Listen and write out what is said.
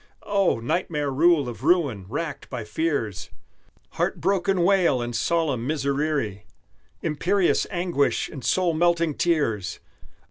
Oh! nightmare rule of ruin, racked by fears, Heartbroken wail, and solemn miserere, Imperious anguish, and soul melting tears!